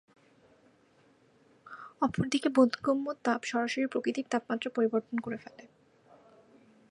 অপরদিকে বোধগম্য তাপ সরাসরি প্রকৃতির তাপমাত্রা পরিবর্তন করে ফেলে।